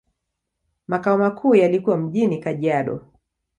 Makao makuu yalikuwa mjini Kajiado.